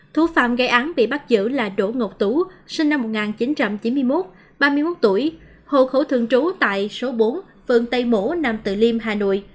thú phạm gây án bị bắt giữ là đỗ ngọc tú sinh năm một nghìn chín trăm chín mươi một ba mươi một tuổi hồ khổ thường trú tại số bốn vườn tây mổ nam tự liêm hà nội